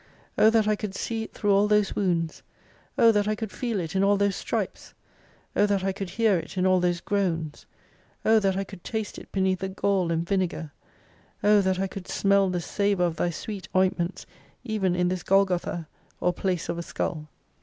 O that I could see it through all those wounds ! O that I could feel it in all those stripes ! O that I could hear it in all those groans ! O that I could taste it beneath the gall and vinegar ! O that I could smell the savour of Thy sweet ointments, even in this Golgotha, or place of a skull.